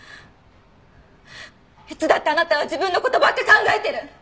いつだってあなたは自分の事ばっか考えてる！